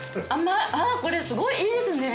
あっこれすごいいいですね。